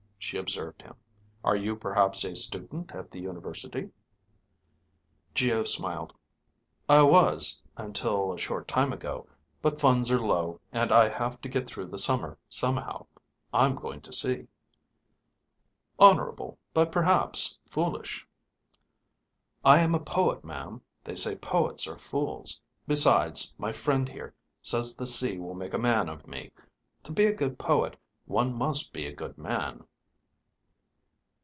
She observed him. "Are you perhaps a student at the university?" Geo smiled. "I was, until a short time ago. But funds are low and I have to get through the summer somehow. I'm going to sea." "Honorable, but perhaps foolish." "I am a poet, ma'am; they say poets are fools. Besides, my friend here says the sea will make a man of me. To be a good poet, one must be a good man."